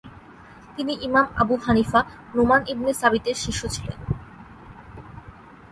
তিনি Imam Abu Hanifa Noman ibn সাবিতের শিষ্য ছিলেন।